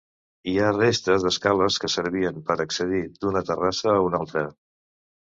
Hi ha restes d'escales que servien per accedir d'una terrassa a una altra.